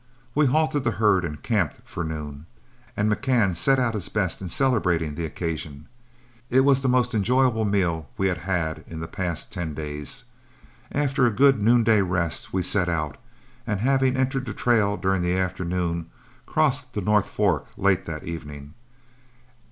We halted the herd and camped for noon, and McCann set out his best in celebrating the occasion. It was the most enjoyable meal we had had in the past ten days. After a good noonday rest, we set out, and having entered the trail during the afternoon, crossed the North Fork late that evening.